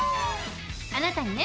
あなたにね